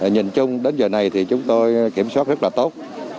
nhìn chung đến giờ này thì chúng tôi kiểm soát rất là tốt